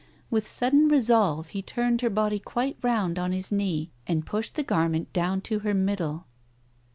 With sudden resolve he turned her body quite round on his knee, and pushed the garment down to her middle.